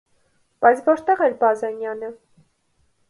Բայց ո՞րտեղ էր Բազենյանը: